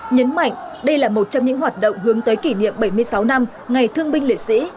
nhấn mạnh đây là một trong những hoạt động hướng tới kỷ niệm bảy mươi sáu năm ngày thương binh liệt sĩ